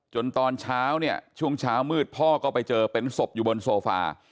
ตอนเช้าเนี่ยช่วงเช้ามืดพ่อก็ไปเจอเป็นศพอยู่บนโซฟา